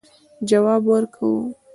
جواب ورکاوه.